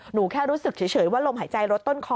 หนูแค่รู้สึกเฉยว่าลมหายใจลดต้นคอ